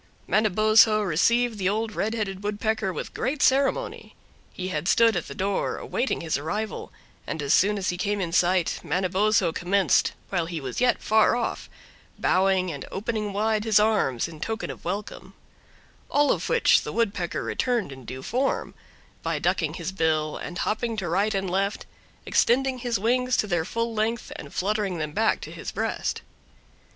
Manabozho received the Old Red Headed Woodpecker with great ceremony. He had stood at the door awaiting his arrival, and as soon as he came in sight Manabozho commenced, while he was yet far off, bowing and opening wide his arms, in token of welcome; all of which the Woodpecker returned in due form, by ducking his bill and hopping to right and left, extending his wings to their full length and fluttering them back to his breast.